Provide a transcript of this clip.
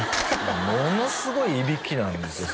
ものすごいいびきなんですよ